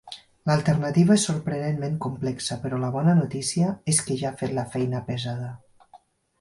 L'alternativa és sorprenentment complexa, però la bona notícia és que ja he fet la feina pesada.